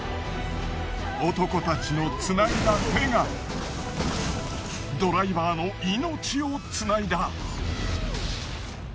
男たちのつないだ手がドライバーの命をつないだ。